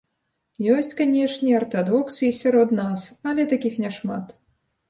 Ёсць, канешне, артадоксы і сярод нас, але такіх няшмат.